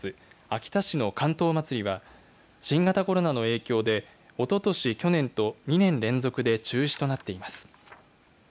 秋田市の竿燈まつりは新型コロナの影響でおととし、去年と２年連続で中止となっています。